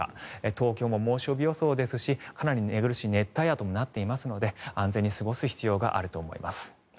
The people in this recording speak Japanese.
東京も猛暑日予想ですしかなり寝苦しい熱帯夜となっていますので安全に過ごす必要があると思います。